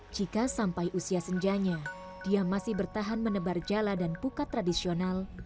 jika sampai usia senjanya dia masih bertahan menebar jala dan pukat tradisional